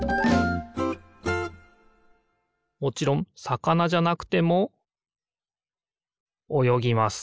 もちろんさかなじゃなくてもおよぎます